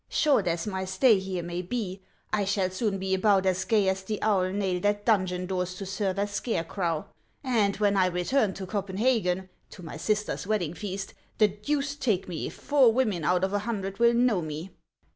Short as my stay here may be, I shall soon be about as gay as the owl nailed at donjon doors to serve as scare crow, and when I return to Copenhagen, to my sister's wedding feast, the deuce take me if four women out of a hundred will know me